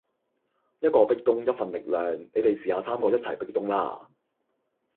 一個壁咚一份力量，你哋試吓三個一齊壁咚啦